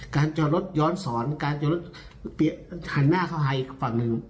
จอดรถย้อนสอนการจอดรถหันหน้าเข้าหาอีกฝั่งหนึ่ง